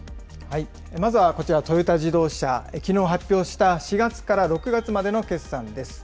まずはこちら、トヨタ自動車、きのう発表した４月から６月までの決算です。